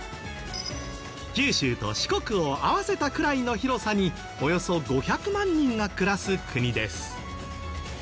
九州と四国を合わせたくらいの広さにおよそ５００万人が暮らす国です。